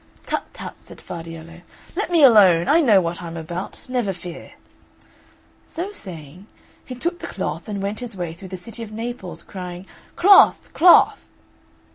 "Tut, tut!" said Vardiello, "let me alone; I know what I'm about, never fear." So saying, he took the cloth, and went his way through the city of Naples, crying, "Cloth! cloth!"